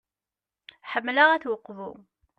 Ḥemmleɣ At Uqbu.